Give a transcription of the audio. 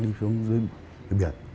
đi xuống dưới biển